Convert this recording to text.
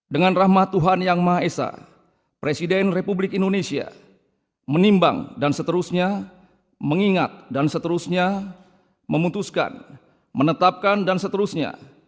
dengan rahmat tuhan yang maha esa presiden republik indonesia menimbang dan seterusnya mengingat dan seterusnya memutuskan menetapkan dan seterusnya